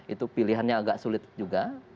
itu pilihannya agak sulit juga